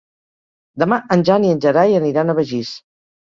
Demà en Jan i en Gerai aniran a Begís.